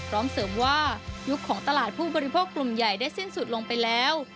พร้อมเสริมว่ายุคของตลาดผู้บริโภคกลุ่มใหญ่ได้สิ้นสุดลงไปแล้ว